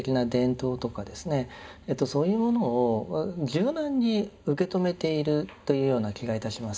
そういうものを柔軟に受け止めているというような気がいたします。